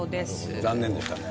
残念でしたね。